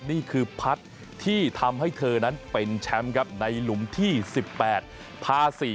นี่คือพัดที่ทำให้เธอนั้นเป็นแชมป์ครับในหลุมที่๑๘พา๔